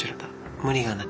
無理がない。